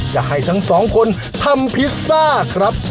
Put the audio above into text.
จะให้ทั้งสองคนทำพิซซ่าครับ